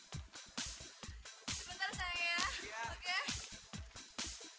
terima kasih sekali lagitoo